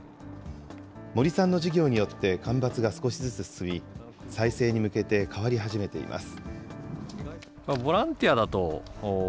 森さんの事業によって間伐が少しずつ進み、再生に向けて変わり始めています。